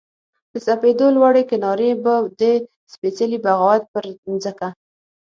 د سپېدو لوړې کنارې به د سپیڅلې بغاوت پر مځکه